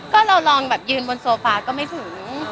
ก็เราลองแบบยืนบนโซฟาก็ไม่ถึง